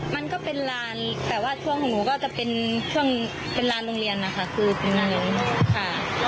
มันก็เป็นร้านแต่ว่าช่วงของหนูก็จะเป็นช่วงเป็นร้านโรงเรียนนะคะคือคือคือค่ะ